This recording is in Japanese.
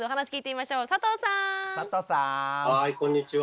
はいこんにちは。